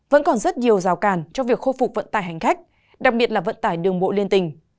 vẫn còn rất nhiều rào cản cho việc khôi phục vận tải hành khách đặc biệt là vận tải đường bộ liên tỉnh